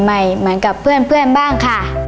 ใหม่เหมือนกับเพื่อนบ้างค่ะ